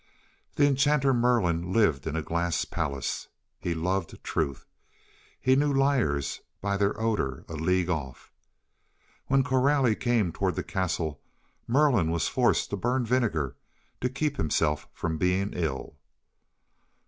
The enchanter Merlin lived in a glass palace. He loved truth. He knew liars by their odour a league off. When Coralie came toward the castle, Merlin was forced to burn vinegar to keep himself from being ill.